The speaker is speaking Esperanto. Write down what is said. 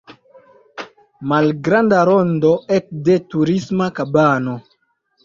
Malgranda rondo ekde Turisma kabano.